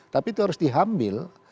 tapi itu harus diambil